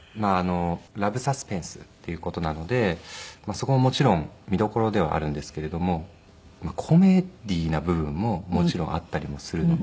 ラブサスペンスっていう事なのでそこはもちろん見どころではあるんですけれどもコメディーな部分ももちろんあったりもするので。